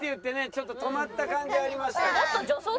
ちょっと止まった感じありましたが。